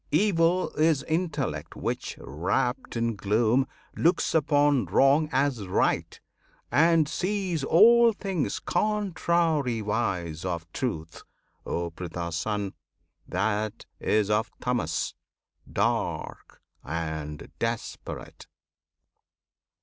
Evil is Intellect which, wrapped in gloom, Looks upon wrong as right, and sees all things Contrariwise of Truth. O Pritha's Son! That is of Tamas, "dark" and desperate!